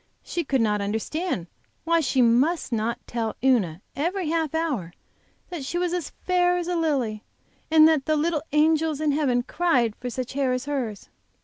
She could not understand why she must not tell Una every half hour that she was as fair as a lily, and that the little angels in heaven cried for such hair as hers.